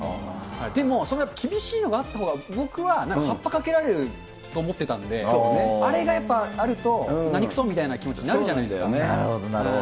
でもその厳しいのがあったほうが、僕ははっぱかけられると思ってたんで、あれがやっぱりあると、何くそみたいな気持ちになるじゃなるほど、なるほど。